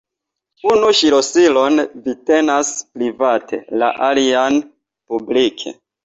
Unu ŝlosilon vi tenas private, la alian publike.